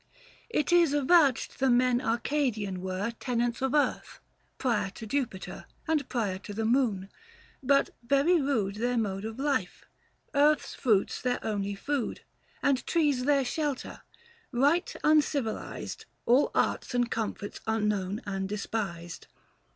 It is avouched the men Arcadian were 300 Tenants of earth, prior to Jupiter, And prior to the Moon. But very rude Their mode of life ; earth's fruits their only food, And trees their shelter ; right uncivilised, All arts and comforts unknown and despised.